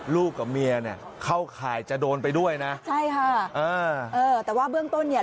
กับเมียเนี่ยเข้าข่ายจะโดนไปด้วยนะใช่ค่ะเออเออแต่ว่าเบื้องต้นเนี่ย